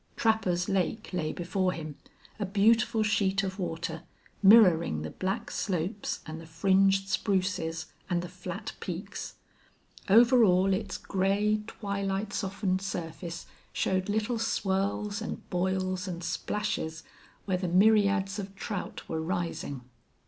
Trapper's Lake lay before him, a beautiful sheet of water, mirroring the black slopes and the fringed spruces and the flat peaks. Over all its gray, twilight softened surface showed little swirls and boils and splashes where the myriads of trout were rising.